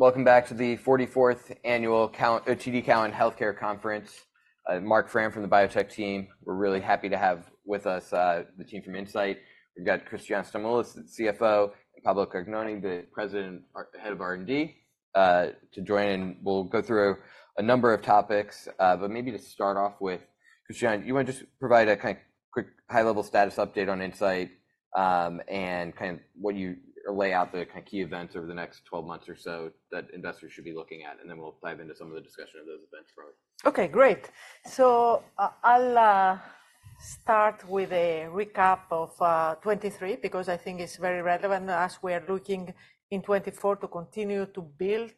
Welcome back to the 44th annual TD Cowen Healthcare Conference. Marc Frahm from the Biotech team. We're really happy to have with us the team from Incyte. We've got Christiana Stamoulis, CFO, and Pablo Cagnoni, the President, Head of R&D, to join in. We'll go through a number of topics, but maybe to start off with, Christiana, you want to just provide a kind of quick high-level status update on Incyte and kind of what you lay out the kind of key events over the next 12 months or so that investors should be looking at, and then we'll dive into some of the discussion of those events from. Okay, great. So I'll start with a recap of 2023 because I think it's very relevant as we are looking in 2024 to continue to build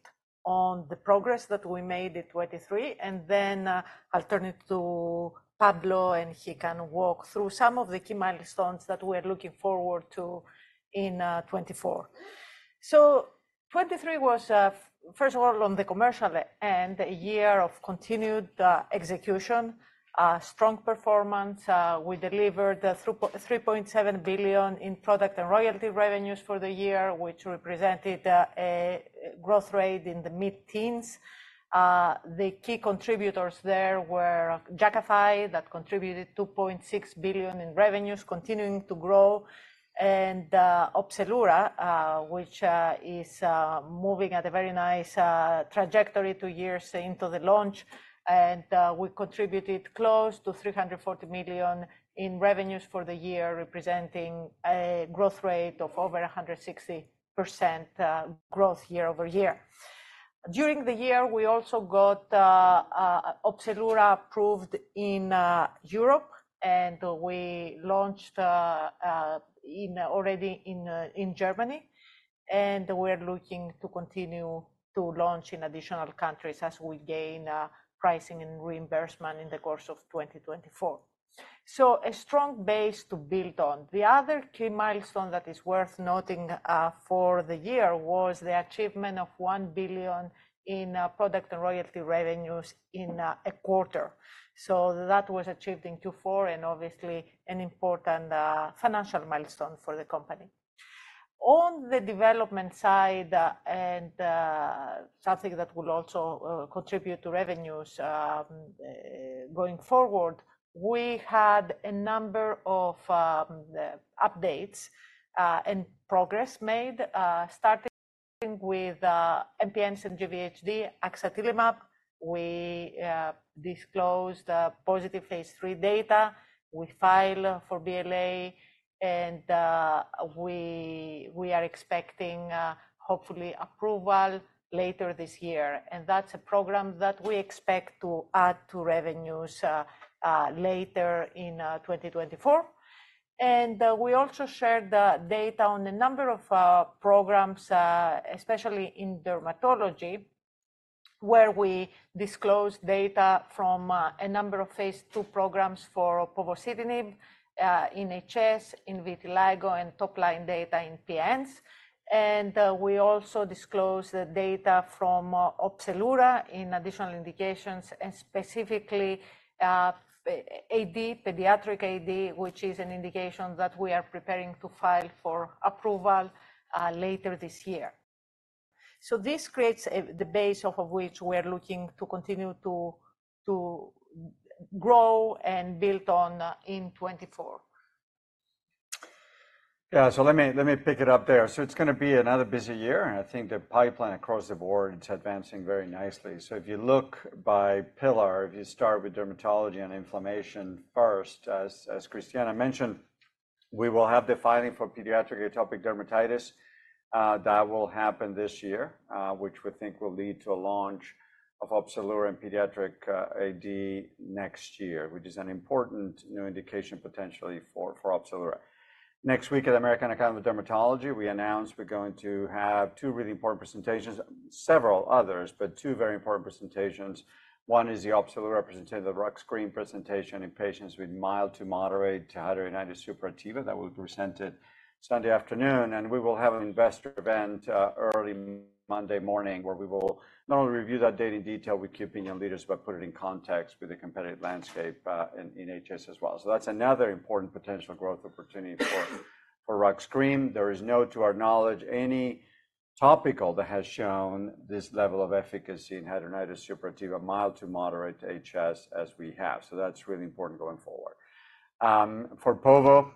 on the progress that we made in 2023, and then I'll turn it to Pablo and he can walk through some of the key milestones that we are looking forward to in 2024. So 2023 was, first of all, on the commercial end, a year of continued execution, strong performance. We delivered $3.7 billion in product and royalty revenues for the year, which represented a growth rate in the mid-teens. The key contributors there were Jakafi, that contributed $2.6 billion in revenues, continuing to grow, and Opzelura, which is moving at a very nice trajectory two years into the launch. And we contributed close to $340 million in revenues for the year, representing a growth rate of over 160% growth year over year. During the year, we also got Opzelura approved in Europe, and we launched already in Germany. We are looking to continue to launch in additional countries as we gain pricing and reimbursement in the course of 2024. A strong base to build on. The other key milestone that is worth noting for the year was the achievement of $1 billion in product and royalty revenues in a quarter. That was achieved in 2024 and obviously an important financial milestone for the company. On the development side and something that will also contribute to revenues going forward, we had a number of updates and progress made starting with MPNs & GVHD, axatilimab. We disclosed positive phase III data. We filed for BLA, and we are expecting, hopefully, approval later this year. That's a program that we expect to add to revenues later in 2024. We also shared data on a number of programs, especially in dermatology, where we disclosed data from a number of phase II programs for povorcitinib, HS, vitiligo, and top-line data in PN. We also disclosed data from Opzelura in additional indications, and specifically AD, pediatric AD, which is an indication that we are preparing to file for approval later this year. So this creates the base off of which we are looking to continue to grow and build on in 2024. Yeah, so let me pick it up there. So it's going to be another busy year, and I think the pipeline across the board is advancing very nicely. So if you look by pillar, if you start with Dermatology and Inflammation & Autoimmunity first, as Christiana mentioned, we will have the filing for pediatric atopic dermatitis. That will happen this year, which we think will lead to a launch of Opzelura in pediatric AD next year, which is an important new indication potentially for Opzelura. Next week at American Academy of Dermatology, we announced we're going to have two really important presentations, several others, but two very important presentations. One is the Opzelura representation of the ruxolitinib cream presentation in patients with mild to moderate hidradenitis suppurativa. That will be presented Sunday afternoon. We will have an Investor Event early Monday morning where we will not only review that data in detail with key opinion leaders, but put it in context with the competitive landscape in HS as well. So that's another important potential growth opportunity for ruxolitinib cream. There is no, to our knowledge, any topical that has shown this level of efficacy in hidradenitis suppurativa, mild to moderate to HS, as we have. So that's really important going forward. For Povo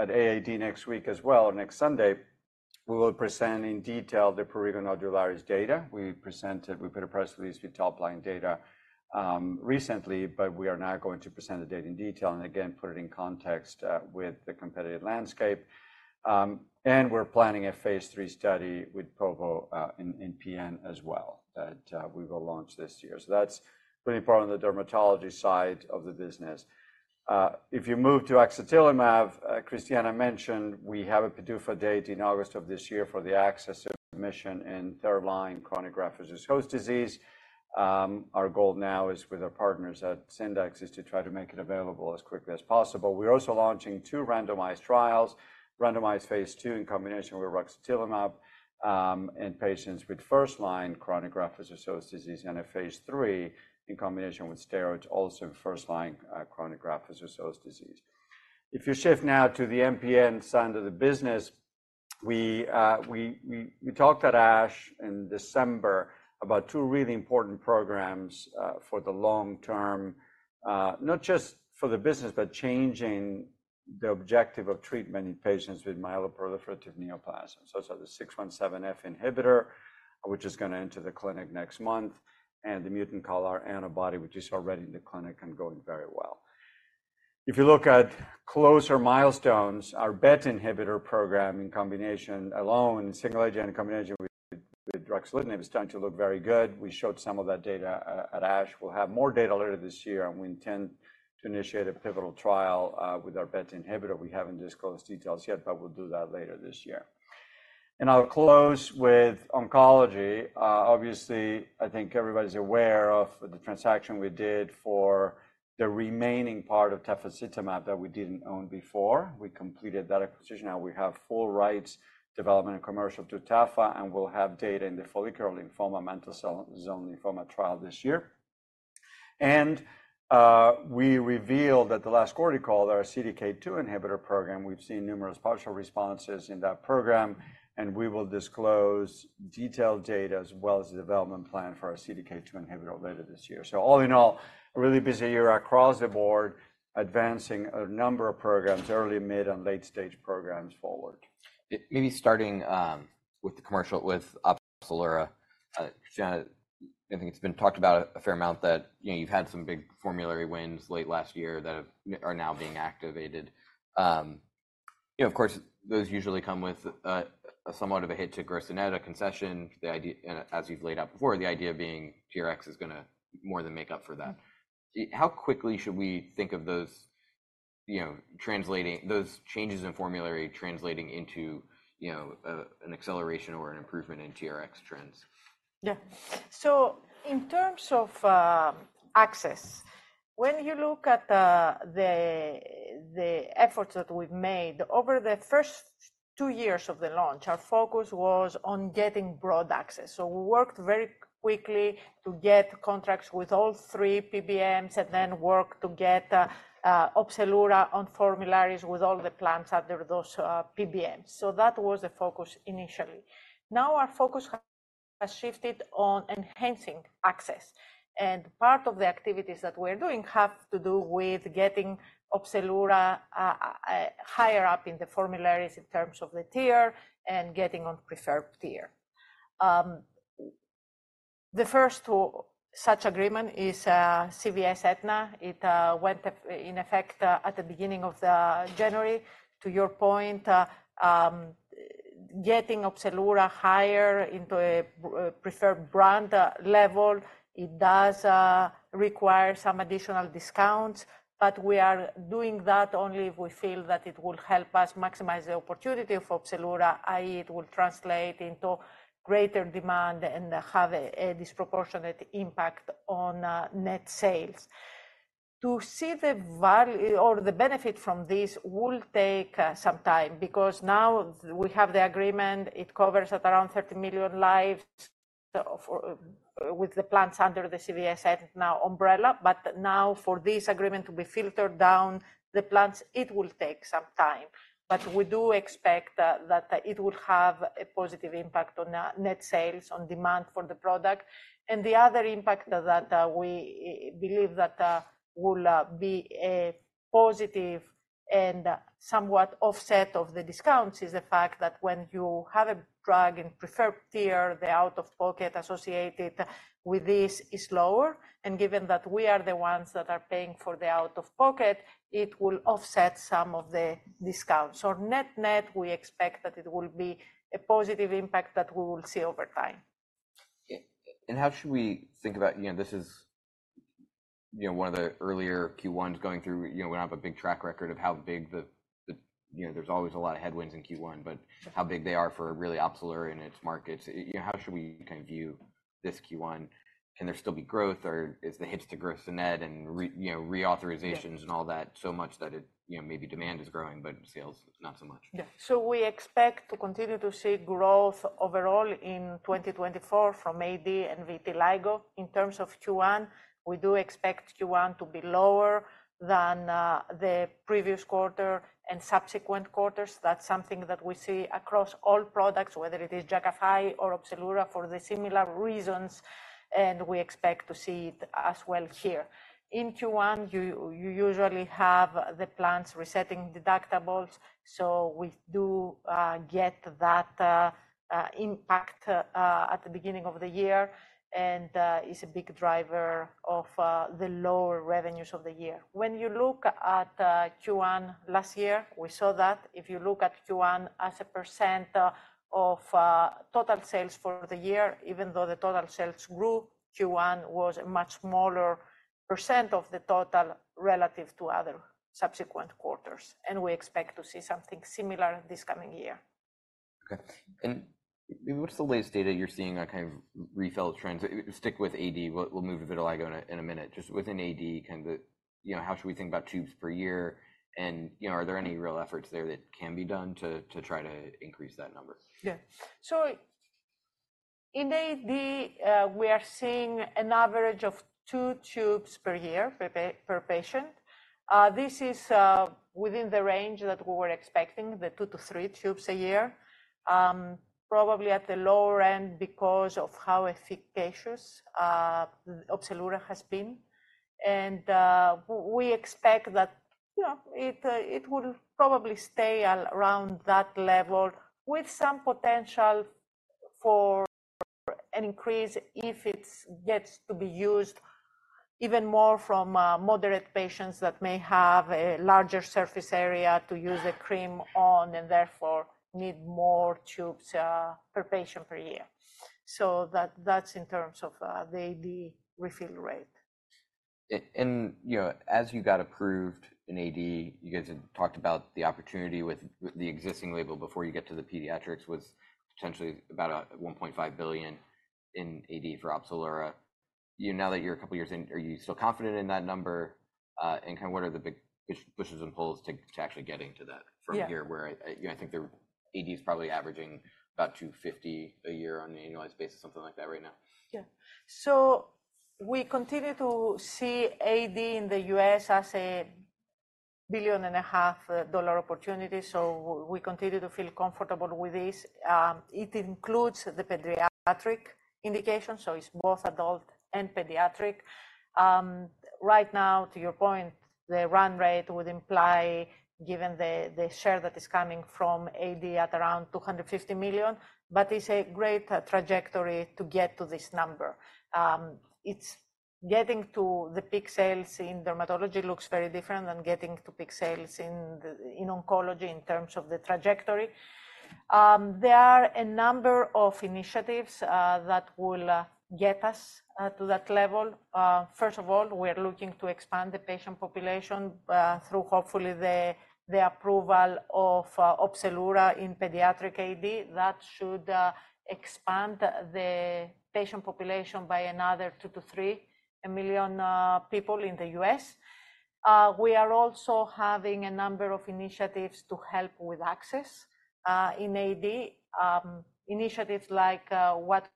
at AAD next week as well, or next Sunday, we will present in detail the prurigo nodularis data. We presented. We put a press release with top-line data recently, but we are now going to present the data in detail and, again, put it in context with the competitive landscape. We're planning a phase III study with Povo in PN as well that we will launch this year. So that's really important on the dermatology side of the business. If you move to axatilimab, Christiana mentioned we have a PDUFA date in August of this year for the sNDA submission in third-line chronic graft-versus-host disease. Our goal now is, with our partners at Syndax, is to try to make it available as quickly as possible. We're also launching two randomized trials, randomized phase II in combination with ruxolitinib in patients with first-line chronic graft-versus-host disease and a phase III in combination with steroids also in first-line chronic graft-versus-host disease. If you shift now to the MPN side of the business, we talked at ASH in December about two really important programs for the long term, not just for the business, but changing the objective of treatment in patients with myeloproliferative neoplasms. Those are the V617F inhibitor, which is going to enter the clinic next month, and the mutant CALR antibody, which is already in the clinic and going very well. If you look at closer milestones, our BET inhibitor program in combination alone, single-agent in combination with ruxolitinib, is starting to look very good. We showed some of that data at ASH. We'll have more data later this year, and we intend to initiate a pivotal trial with our BET inhibitor. We haven't disclosed details yet, but we'll do that later this year. And I'll close with oncology. Obviously, I think everybody's aware of the transaction we did for the remaining part of tafasitamab that we didn't own before. We completed that acquisition. Now we have full rights, development, and commercial to tafasitamab, and we'll have data in the follicular lymphoma, mantle cell lymphoma trial this year. We revealed at the last quarterly call that our CDK2 inhibitor program, we've seen numerous partial responses in that program, and we will disclose detailed data as well as the development plan for our CDK2 inhibitor later this year. All in all, a really busy year across the board, advancing a number of programs, early-, mid-, and late-stage programs forward. Maybe starting with the commercial with Opzelura. Christiana, I think it's been talked about a fair amount that you've had some big formulary wins late last year that are now being activated. Of course, those usually come with somewhat of a hit to gross-to-net, a concession. As you've laid out before, the idea being TRx is going to more than make up for that. How quickly should we think of those changes in formulary translating into an acceleration or an improvement in TRx trends? Yeah. So in terms of access, when you look at the efforts that we've made over the first two years of the launch, our focus was on getting broad access. So we worked very quickly to get contracts with all three PBMs and then worked to get Opzelura on formularies with all the plans under those PBMs. So that was the focus initially. Now our focus has shifted on enhancing access. And part of the activities that we are doing have to do with getting Opzelura higher up in the formularies in terms of the tier and getting on preferred tier. The first such agreement is CVS Aetna. It went in effect at the beginning of January. To your point, getting Opzelura higher into a preferred brand level, it does require some additional discounts, but we are doing that only if we feel that it will help us maximize the opportunity of Opzelura, i.e., it will translate into greater demand and have a disproportionate impact on net sales. To see the value or the benefit from this will take some time because now we have the agreement. It covers around 30 million lives with the plans under the CVS Aetna umbrella. But now for this agreement to be filtered down the plans, it will take some time. But we do expect that it will have a positive impact on net sales, on demand for the product. The other impact that we believe that will be a positive and somewhat offset of the discounts is the fact that when you have a drug in preferred tier, the out-of-pocket associated with this is lower. And given that we are the ones that are paying for the out-of-pocket, it will offset some of the discounts. So net-net, we expect that it will be a positive impact that we will see over time. How should we think about this? It is one of the earlier Q1s going through. We don't have a big track record of how big they are. There's always a lot of headwinds in Q1, but how big they are for really Opzelura in its markets. How should we kind of view this Q1? Can there still be growth, or are the hits to gross-to-net and reauthorizations and all that so much that maybe demand is growing, but sales not so much? Yeah. So we expect to continue to see growth overall in 2024 from AD and vitiligo. In terms of Q1, we do expect Q1 to be lower than the previous quarter and subsequent quarters. That's something that we see across all products, whether it is Jakafi or Opzelura, for the similar reasons. And we expect to see it as well here. In Q1, you usually have the plans resetting deductibles. So we do get that impact at the beginning of the year, and it's a big driver of the lower revenues of the year. When you look at Q1 last year, we saw that. If you look at Q1 as a percent of total sales for the year, even though the total sales grew, Q1 was a much smaller percent of the total relative to other subsequent quarters. And we expect to see something similar this coming year. OK. And what's the latest data you're seeing on kind of refill trends? Stick with AD. We'll move to vitiligo in a minute. Just within AD, kind of how should we think about tubes per year? And are there any real efforts there that can be done to try to increase that number? Yeah. So in AD, we are seeing an average of two tubes per year per patient. This is within the range that we were expecting, the two to three tubes a year, probably at the lower end because of how efficacious Opzelura has been. And we expect that it will probably stay around that level, with some potential for an increase if it gets to be used even more from moderate patients that may have a larger surface area to use the cream on and therefore need more tubes per patient per year. So that's in terms of the AD refill rate. As you got approved in AD, you guys had talked about the opportunity with the existing label before you get to the pediatrics was potentially about $1.5 billion in AD for Opzelura. Now that you're a couple of years in, are you still confident in that number? And kind of what are the big pushes and pulls to actually getting to that from here, where I think AD is probably averaging about $250 million a year on an annualized basis, something like that right now? Yeah. So we continue to see AD in the U.S. as a $1.5 billion opportunity. So we continue to feel comfortable with this. It includes the pediatric indication, so it's both adult and pediatric. Right now, to your point, the run rate would imply, given the share that is coming from AD, at around $250 million, but it's a great trajectory to get to this number. It's getting to the peak sales in dermatology looks very different than getting to peak sales in oncology in terms of the trajectory. There are a number of initiatives that will get us to that level. First of all, we are looking to expand the patient population through, hopefully, the approval of Opzelura in pediatric AD. That should expand the patient population by another 2-3 million people in the U.S. We are also having a number of initiatives to help with access in AD, initiatives like what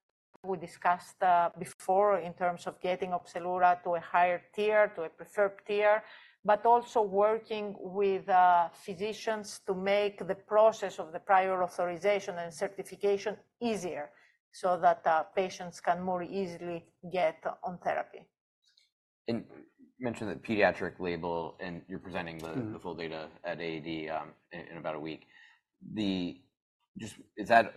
we discussed before in terms of getting Opzelura to a higher tier, to a preferred tier, but also working with physicians to make the process of the prior authorization and certification easier so that patients can more easily get on therapy. You mentioned the pediatric label, and you're presenting the full data at AAD in about a week. Is that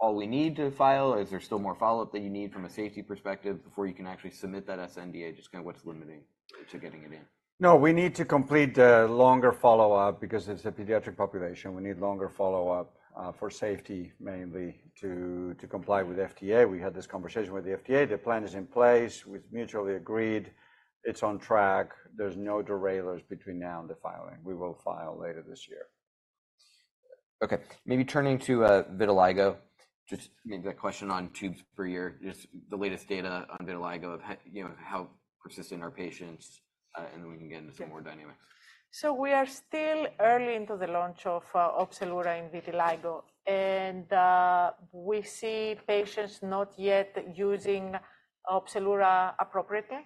all we need to file, or is there still more follow-up that you need from a safety perspective before you can actually submit that sNDA? Just kind of what's limiting to getting it in? No, we need to complete the longer follow-up because it's a pediatric population. We need longer follow-up for safety, mainly, to comply with FDA. We had this conversation with the FDA. The plan is in place. We've mutually agreed. It's on track. There's no derailers between now and the filing. We will file later this year. OK. Maybe turning to vitiligo, just maybe that question on tubes per year, just the latest data on vitiligo of how persistent are patients, and then we can get into some more dynamics. So we are still early into the launch of Opzelura in vitiligo. We see patients not yet using Opzelura appropriately.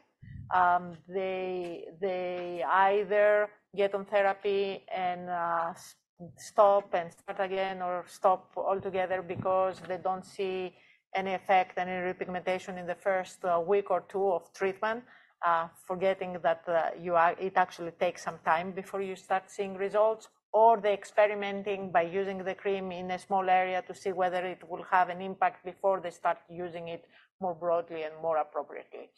They either get on therapy and stop and start again or stop altogether because they don't see any effect, any repigmentation in the first week or two of treatment, forgetting that it actually takes some time before you start seeing results, or they're experimenting by using the cream in a small area to see whether it will have an impact before they start using it more broadly and more appropriately.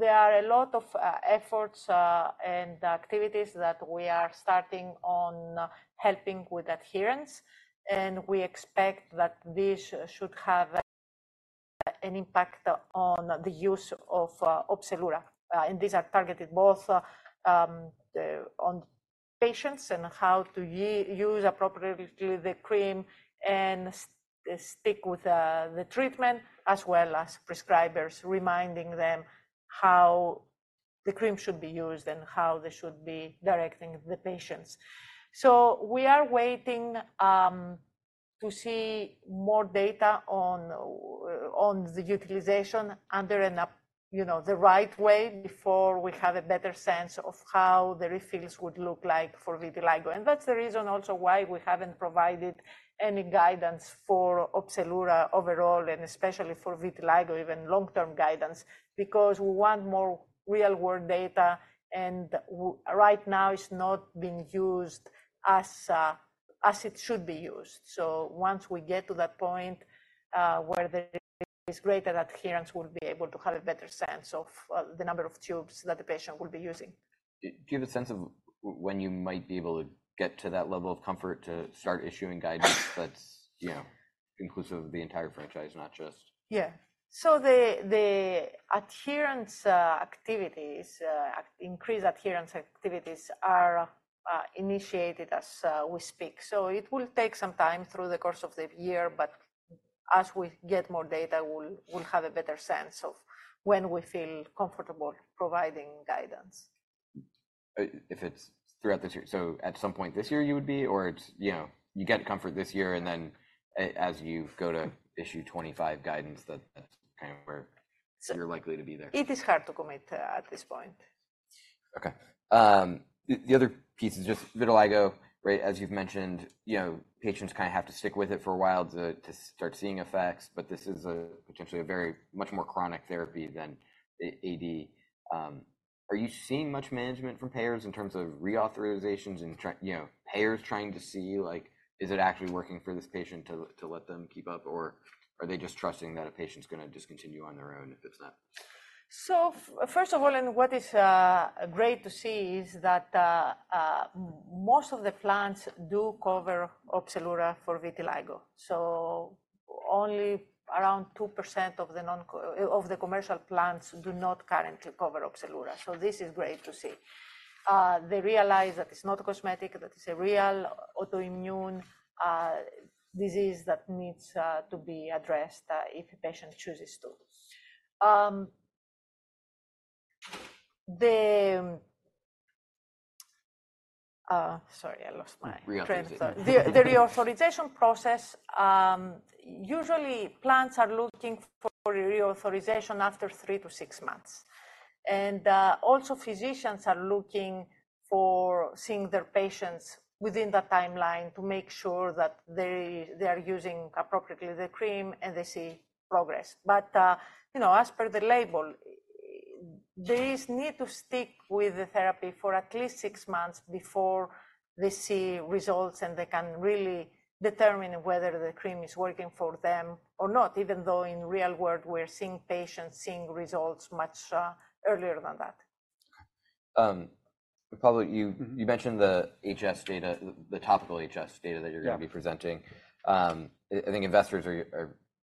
There are a lot of efforts and activities that we are starting on helping with adherence. We expect that this should have an impact on the use of Opzelura. These are targeted both on patients and how to use appropriately the cream and stick with the treatment, as well as prescribers reminding them how the cream should be used and how they should be directing the patients. So we are waiting to see more data on the utilization under the right way before we have a better sense of how the refills would look like for vitiligo. And that's the reason also why we haven't provided any guidance for Opzelura overall, and especially for vitiligo, even long-term guidance, because we want more real-world data. And right now, it's not being used as it should be used. So once we get to that point where there is greater adherence, we'll be able to have a better sense of the number of tubes that the patient will be using. Do you have a sense of when you might be able to get to that level of comfort to start issuing guidance that's inclusive of the entire franchise, not just? Yeah. So the increased adherence activities are initiated as we speak. So it will take some time through the course of the year. But as we get more data, we'll have a better sense of when we feel comfortable providing guidance. If it's throughout this year, so at some point this year you would be, or you get comfort this year, and then as you go to issue 2025 guidance, that's kind of where you're likely to be there? It is hard to commit at this point. OK. The other piece is just vitiligo. As you've mentioned, patients kind of have to stick with it for a while to start seeing effects. But this is potentially a much more chronic therapy than AD. Are you seeing much management from payers in terms of reauthorizations and payers trying to see, is it actually working for this patient to let them keep up, or are they just trusting that a patient's going to discontinue on their own if it's not? So first of all, what is great to see is that most of the plans do cover Opzelura for vitiligo. So only around 2% of the commercial plans do not currently cover Opzelura. So this is great to see. They realize that it's not a cosmetic, that it's a real autoimmune disease that needs to be addressed if a patient chooses to. Sorry, I lost my train of thought. The reauthorization process, usually plans are looking for a reauthorization after three to six months. And also physicians are looking for seeing their patients within that timeline to make sure that they are using appropriately the cream and they see progress. But as per the label, there is a need to stick with the therapy for at least six months before they see results and they can really determine whether the cream is working for them or not, even though in the real world, we're seeing patients seeing results much earlier than that. Pablo, you mentioned the HS data, the topical HS data that you're going to be presenting. I think investors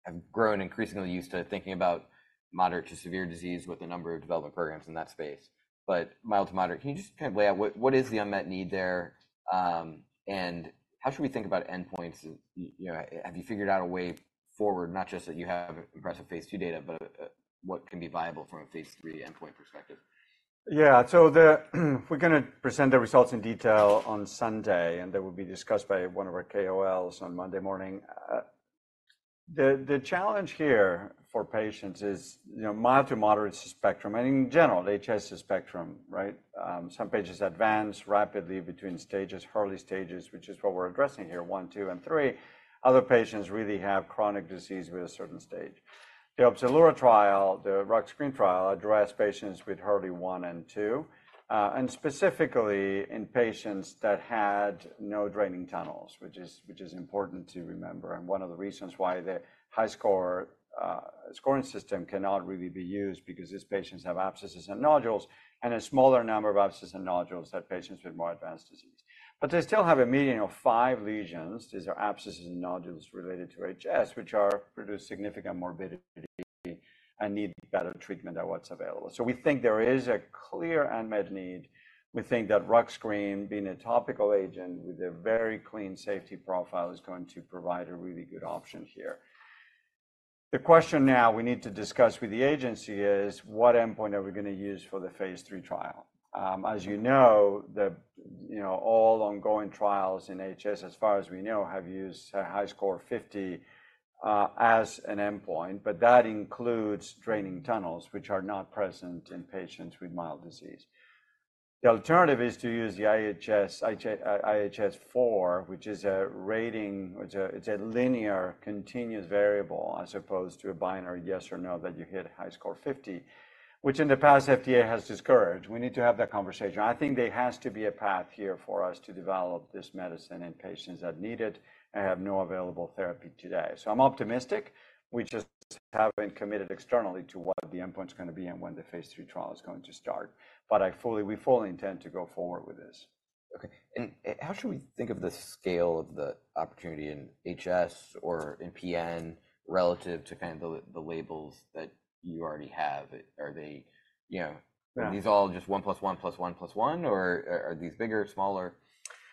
have grown increasingly used to thinking about moderate to severe disease with a number of development programs in that space. But mild to moderate, can you just kind of lay out what is the unmet need there? And how should we think about endpoints? Have you figured out a way forward, not just that you have impressive phase II data, but what can be viable from a phase III endpoint perspective? Yeah. So we're going to present the results in detail on Sunday, and they will be discussed by one of our KOLs on Monday morning. The challenge here for patients is mild to moderate spectrum, and in general, HS spectrum, right? Some patients advance rapidly between stages, early stages, which is what we're addressing here, one, two, and three. Other patients really have chronic disease with a certain stage. The Opzelura trial, the rux cream trial, addressed patients with early one and two, and specifically in patients that had no draining tunnels, which is important to remember. And one of the reasons why the HiSCR scoring system cannot really be used because these patients have abscesses and nodules and a smaller number of abscesses and nodules that patients with more advanced disease. But they still have a median of five lesions. These are abscesses and nodules related to HS, which produce significant morbidity and need better treatment than what's available. So we think there is a clear unmet need. We think that rux cream, being a topical agent with a very clean safety profile, is going to provide a really good option here. The question now we need to discuss with the agency is, what endpoint are we going to use for the phase III trial? As you know, all ongoing trials in HS, as far as we know, have used HiSCR50 as an endpoint. But that includes draining tunnels, which are not present in patients with mild disease. The alternative is to use the IHS4, which is a rating it's a linear continuous variable, as opposed to a binary yes or no that you hit HiSCR50, which in the past FDA has discouraged. We need to have that conversation. I think there has to be a path here for us to develop this medicine in patients that need it and have no available therapy today. So I'm optimistic. We just haven't committed externally to what the endpoint's going to be and when the phase III trial is going to start. But we fully intend to go forward with this. OK. And how should we think of the scale of the opportunity in HS or in PN relative to kind of the labels that you already have? Are these all just 1 + 1 + 1 + 1, or are these bigger, smaller?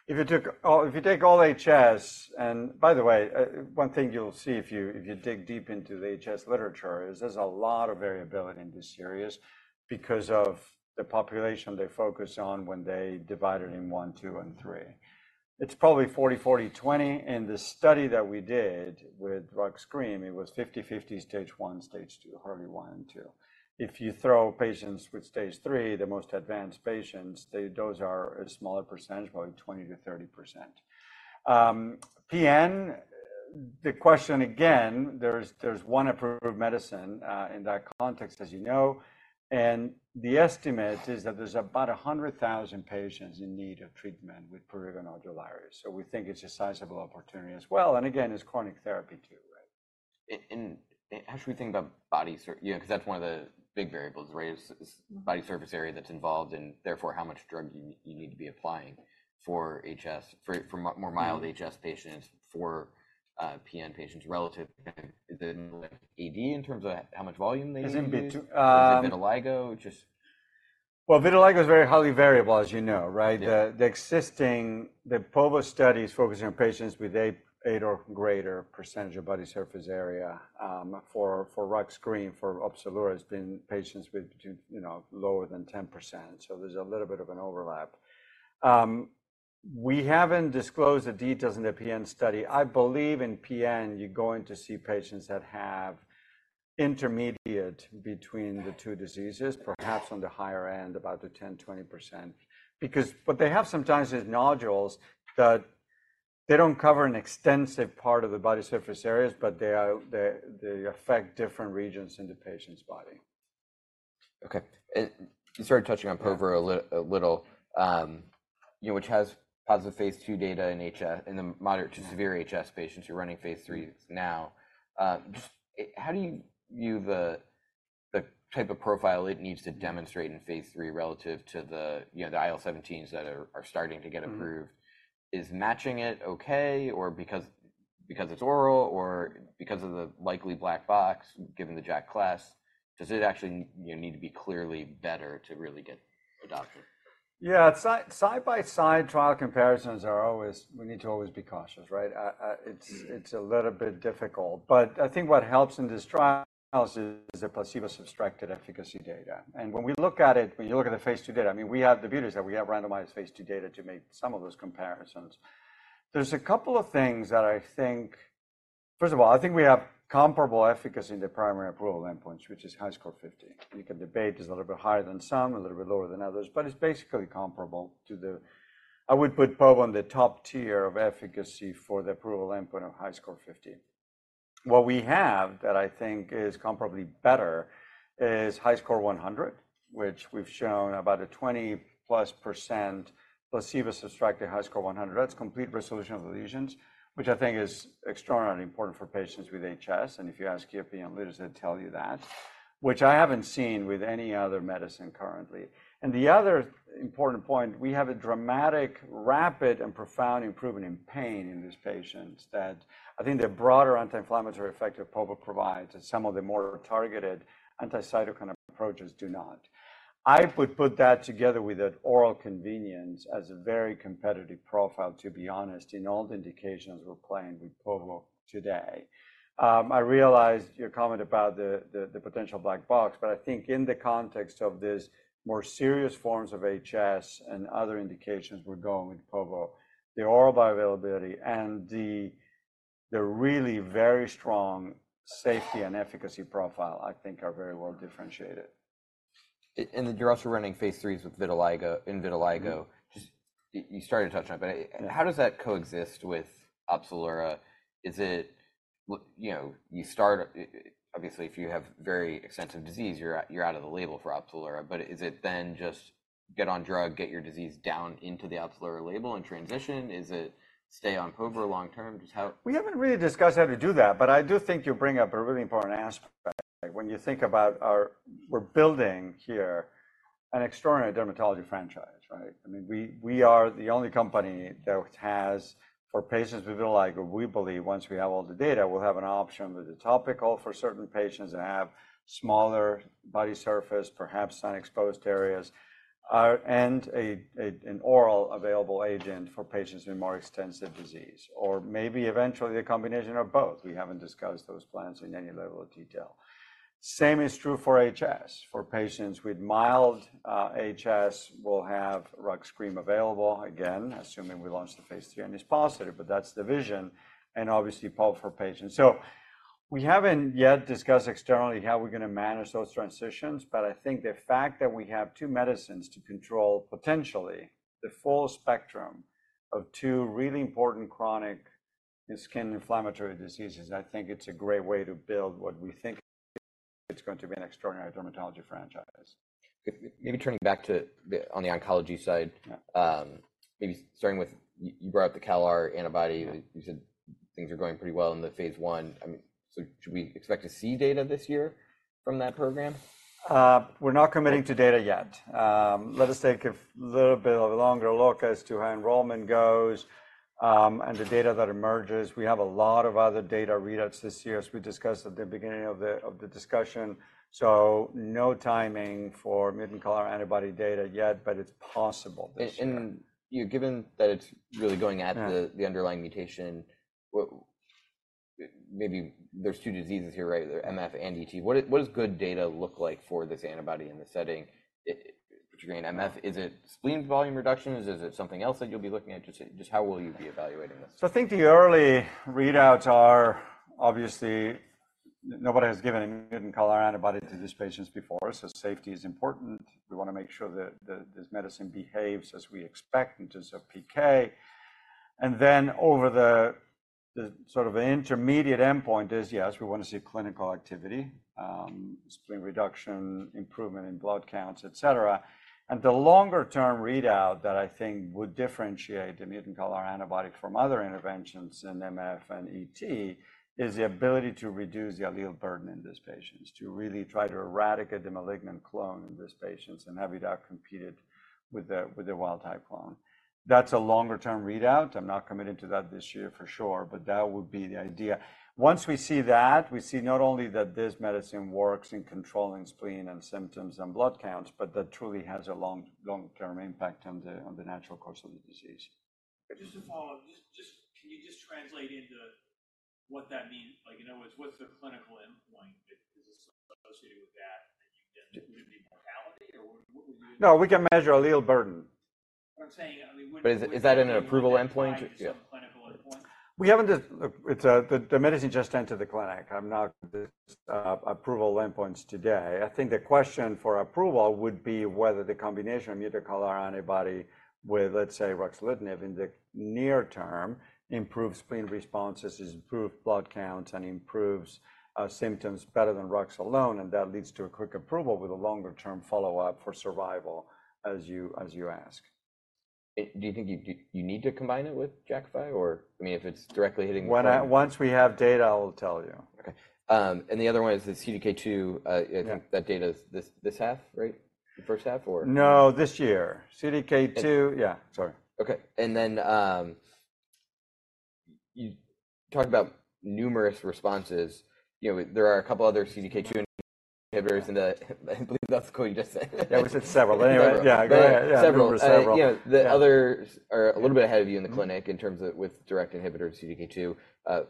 If you take all HS and, by the way, one thing you'll see if you dig deep into the HS literature is there's a lot of variability in this series because of the population they focus on when they divide it in one, two, and three. It's probably 40/40/20. In the study that we did with rux cream, it was 50/50 stage one, stage two, early one, and two. If you throw patients with stage three, the most advanced patients, those are a smaller percentage, probably 20%-30%. PN, the question again, there's one approved medicine in that context, as you know. The estimate is that there's about 100,000 patients in need of treatment with prurigo nodularis. So we think it's a sizable opportunity as well. And again, it's chronic therapy too, right? How should we think about body because that's one of the big variables, right? It's body surface area that's involved, and therefore, how much drug you need to be applying for HS, for more mild HS patients, for PN patients relative to AD in terms of how much volume they use? Is it vitiligo? Just. Well, vitiligo is very highly variable, as you know, right? The existing povorcitinib studies focusing on patients with 8% or greater body surface area. For ruxolitinib cream, for Opzelura, it's been patients with lower than 10%. So there's a little bit of an overlap. We haven't disclosed the details in the PN study. I believe in PN, you're going to see patients that have intermediate between the two diseases, perhaps on the higher end, about the 10%-20%. But they have sometimes these nodules that they don't cover an extensive part of the body surface areas, but they affect different regions in the patient's body. OK. And you started touching on povorcitinib a little, which has positive phase II data in the moderate to severe HS patients. You're running phase III now. How do you view the type of profile it needs to demonstrate in phase III relative to the IL-17s that are starting to get approved? Is matching it OK because it's oral or because of the likely black box, given the JAK class? Does it actually need to be clearly better to really get adopted? Yeah. Side-by-side trial comparisons are always we need to always be cautious, right? It's a little bit difficult. But I think what helps in this trial is the placebo-subtracted efficacy data. And when we look at it, when you look at the phase II data, I mean, we have the beauty is that we have randomized phase II data to make some of those comparisons. There's a couple of things that I think first of all, I think we have comparable efficacy in the primary approval endpoints, which is HiSCR50. You can debate there's a little bit higher than some, a little bit lower than others. But it's basically comparable to the I would put povorcitinib on the top tier of efficacy for the approval endpoint of HiSCR50. What we have that I think is comparably better is HiSCR100, which we've shown about a 20% plus placebo-subtracted HiSCR100. That's complete resolution of the lesions, which I think is extraordinarily important for patients with HS. And if you ask your PN leaders, they'll tell you that, which I haven't seen with any other medicine currently. And the other important point, we have a dramatic, rapid, and profound improvement in pain in these patients that I think the broader anti-inflammatory effect that povorcitinib provides and some of the more targeted anti-cytokine approaches do not. I would put that together with that oral convenience as a very competitive profile, to be honest, in all the indications we're playing with povorcitinib today. I realized your comment about the potential black box. But I think in the context of these more serious forms of HS and other indications, we're going with povorcitinib. The oral bioavailability and the really very strong safety and efficacy profile, I think, are very well differentiated. You're also running phase IIIs in vitiligo. You started to touch on it. But how does that coexist with Opzelura? Is it you start obviously, if you have very extensive disease, you're out of the label for Opzelura. But is it then just get on drug, get your disease down into the Opzelura label, and transition? Is it stay on povorcitinib long term? We haven't really discussed how to do that. But I do think you bring up a really important aspect. When you think about what we're building here an extraordinary dermatology franchise, right? I mean, we are the only company that has for patients with vitiligo, we believe, once we have all the data, we'll have an option with the topical for certain patients that have smaller body surface, perhaps sun-exposed areas, and an oral available agent for patients with more extensive disease, or maybe eventually a combination of both. We haven't discussed those plans in any level of detail. Same is true for HS. For patients with mild HS, we'll have rux cream available, again, assuming we launch the phase III and it's positive. But that's the vision and obviously povorcitinib for patients. So we haven't yet discussed externally how we're going to manage those transitions. But I think the fact that we have two medicines to control potentially the full spectrum of two really important chronic skin inflammatory diseases, I think it's a great way to build what we think is going to be an extraordinary dermatology franchise. Maybe turning back to on the oncology side, maybe starting with you brought up the CALR antibody. You said things are going pretty well in the phase one. So should we expect to see data this year from that program? We're not committing to data yet. Let us take a little bit of a longer look as to how enrollment goes and the data that emerges. We have a lot of other data readouts this year, as we discussed at the beginning of the discussion. So no timing for mutant CALR antibody data yet. But it's possible this year. Given that it's really going at the underlying mutation, maybe there's two diseases here, right? They're MF and ET. What does good data look like for this antibody in the setting? But you're saying MF, is it spleen volume reduction? Is it something else that you'll be looking at? Just how will you be evaluating this? So I think the early readouts are obviously, nobody has given a mutant CALR antibody to these patients before. So safety is important. We want to make sure that this medicine behaves as we expect in terms of PK. And then over the sort of the intermediate endpoint is, yes, we want to see clinical activity, spleen reduction, improvement in blood counts, et cetera. And the longer-term readout that I think would differentiate the mutant CALR antibody from other interventions in MF and ET is the ability to reduce the allele burden in these patients, to really try to eradicate the malignant clone in these patients and have it outcompeted with the wild-type clone. That's a longer-term readout. I'm not committed to that this year for sure. But that would be the idea. Once we see that, we see not only that this medicine works in controlling spleen and symptoms and blood counts, but that truly has a long-term impact on the natural course of the disease. Just a follow-up. Can you just translate into what that means? In other words, what's the clinical endpoint? Is this associated with that? Would it be mortality, or what would you? No, we can measure allele burden. But is that an approval endpoint? We haven't the medicine just entered the clinic. I'm not approval endpoints today. I think the question for approval would be whether the combination of mutant CALR antibody with, let's say, ruxolitinib in the near term improves spleen responses, improves blood counts, and improves symptoms better than rux alone. And that leads to a quick approval with a longer-term follow-up for survival, as you ask. Do you think you need to combine it with Jakafi, or? I mean, if it's directly hitting the target. Once we have data, I will tell you. OK. The other one is the CDK2. I think that data is this half, right? The first half, or? No, this year. CDK2, yeah. Sorry. OK. Then you talked about numerous responses. There are a couple other CDK2 inhibitors in the, I believe, that's the quote you just said. Yeah, we said several. Anyway, yeah, go ahead. Yeah. Several. The others are a little bit ahead of you in the clinic in terms of with direct inhibitors, CDK2,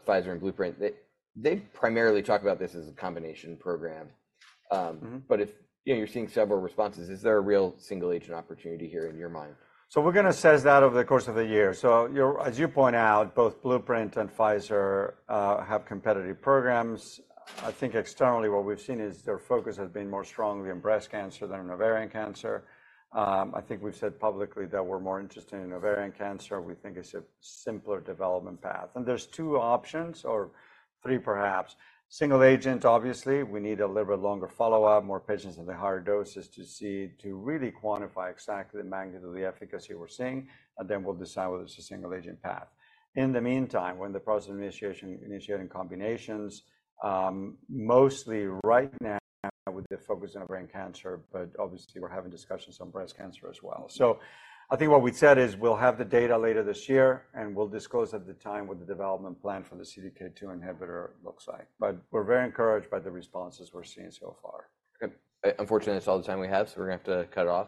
Pfizer, and Blueprint. They primarily talk about this as a combination program. But if you're seeing several responses, is there a real single-agent opportunity here in your mind? So we're going to size that over the course of the year. So as you point out, both Blueprint and Pfizer have competitive programs. I think externally, what we've seen is their focus has been more strongly on breast cancer than on ovarian cancer. I think we've said publicly that we're more interested in ovarian cancer. We think it's a simpler development path. And there's two options or three, perhaps. Single agent, obviously. We need a little bit longer follow-up, more patients at the higher doses to see to really quantify exactly the magnitude of the efficacy we're seeing. And then we'll decide whether it's a single-agent path. In the meantime, when the process of initiating combinations, mostly right now with the focus on ovarian cancer, but obviously, we're having discussions on breast cancer as well. So I think what we'd said is we'll have the data later this year. And we'll disclose at the time what the development plan for the CDK2 inhibitor looks like. But we're very encouraged by the responses we're seeing so far. Unfortunately, that's all the time we have. So we're going to have to cut off.